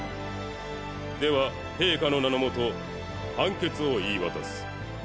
では陛下の名の下判決を言い渡す。